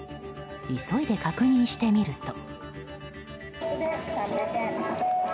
急いで確認してみると。